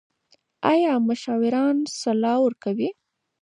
ایا مشاوران سلا ورکوي؟